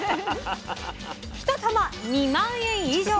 １玉２万円以上。